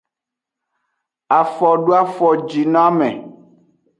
Afodoafojinoame.